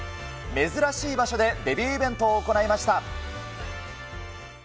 珍しい場所でデビューイベントを行いました。